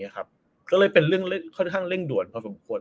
ก็เลยเป็นเรื่องเร่งด่วนพอสมควร